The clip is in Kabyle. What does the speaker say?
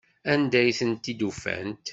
Anda ay ten-id-ufant?